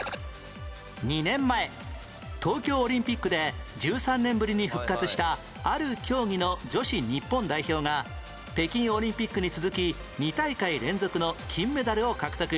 ２年前東京オリンピックで１３年ぶりに復活したある競技の女子日本代表が北京オリンピックに続き２大会連続の金メダルを獲得